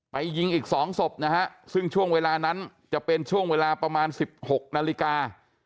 ยิงอีก๒ศพนะฮะซึ่งช่วงเวลานั้นจะเป็นช่วงเวลาประมาณ๑๖นาฬิกา